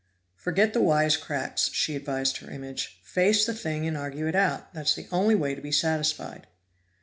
"Forget the wise cracks," she advised her image. "Face the thing and argue it out; that's the only way to be satisfied."